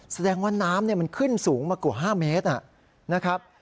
แสดงว่าน้ำมันขึ้นสูงมากว่า๕เมตรนะครับ